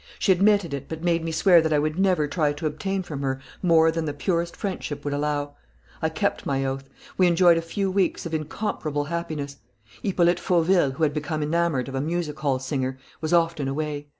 She admitted it, but made me swear that I would never try to obtain from her more than the purest friendship would allow. I kept my oath. We enjoyed a few weeks of incomparable happiness. Hippolyte Fauville, who had become enamoured of a music hall singer, was often away.